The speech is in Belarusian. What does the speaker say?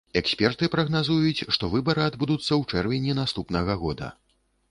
Эксперты прагназуюць, што выбары адбудуцца ў чэрвені наступнага года.